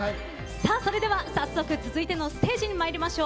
それでは早速続いてのステージに参りましょう。